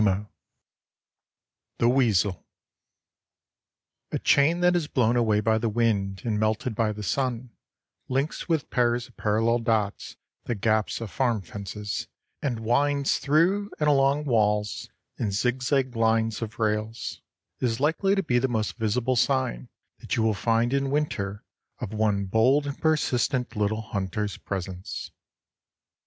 LII THE WEASEL A chain that is blown away by the wind and melted by the sun, links with pairs of parallel dots the gaps of farm fences, and winds through and along walls and zigzag lines of rails, is likely to be the most visible sign that you will find in winter of one bold and persistent little hunter's presence.